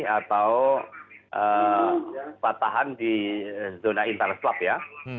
atau patahan di zona interslab ya